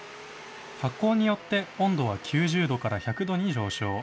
発酵によって温度は９０度から１００度に上昇。